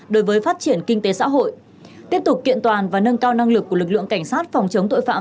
đối với phát triển kinh tế xã hội tiếp tục kiện toàn và nâng cao năng lực của lực lượng cảnh sát phòng chống tội phạm